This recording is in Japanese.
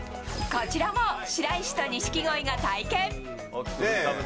こちらも白石と錦鯉が体験。